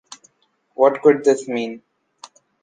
What could this mean?